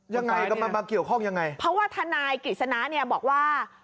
ยังไงกำลังมาเกี่ยวข้องยังไงเพราะว่าทนายกฤษณะเนี่ยบอกว่า